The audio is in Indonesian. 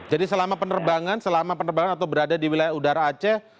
jadi selama penerbangan atau berada di wilayah udara aceh